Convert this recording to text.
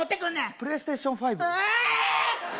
プレイステーション５？